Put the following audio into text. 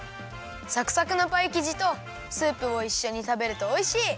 サクサクのパイきじとスープをいっしょにたべるとおいしい！